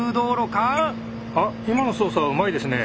あっ今の操作はうまいですね！